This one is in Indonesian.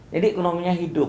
jadi ekonominya hidup